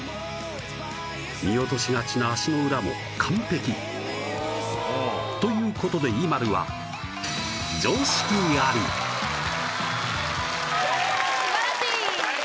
見落としがちな足の裏も完璧ということでＩＭＡＬＵはやっ